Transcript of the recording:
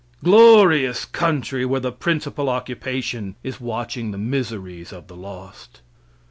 Glorious country where the principal occupation is watching the miseries of the lost.